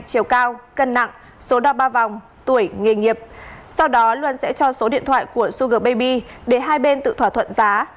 chiều cao cân nặng số đo ba vòng tuổi nghề nghiệp sau đó luân sẽ cho số điện thoại của suger baby để hai bên tự thỏa thuận giá